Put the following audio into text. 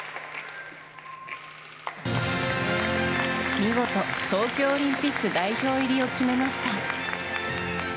見事東京オリンピック代表入りを決めました。